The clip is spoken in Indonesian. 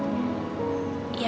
kalau kamu bisa